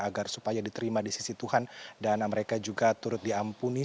agar supaya diterima di sisi tuhan dan mereka juga turut diampuni